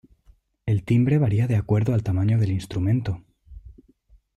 El timbre varía de acuerdo al tamaño del instrumento.